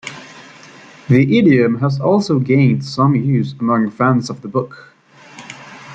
The idiom has also gained some use among fans of the book.